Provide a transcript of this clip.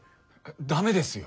ダメですよ！